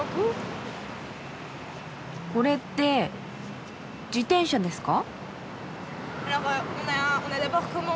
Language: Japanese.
これって自転車ですか？